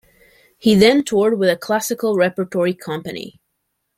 He then toured with a classical repertory company.